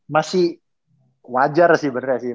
masih wajar sih beneran sih